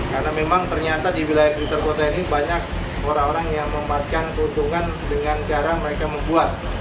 karena memang ternyata di wilayah blitar kota ini banyak orang orang yang mematikan keuntungan dengan cara mereka membuat